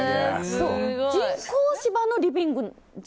人工芝のリビング？